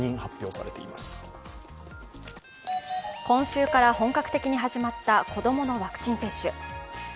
今週から本格的に始まった子供のワクチン接種。